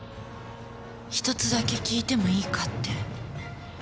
１つだけ訊いてもいいかって。